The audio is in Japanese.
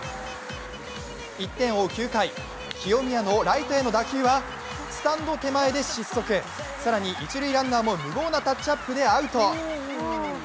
１点を追う９回、清宮のライトへの打球はスタンド手前で失速、更に一塁ランナーも無謀なタッチアップでアウト。